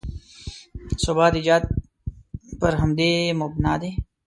ثبات ایجاد پر همدې مبنا دی.